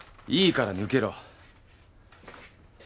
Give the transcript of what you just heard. いいから抜けろ。